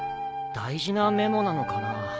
大事なメモなのかなあ。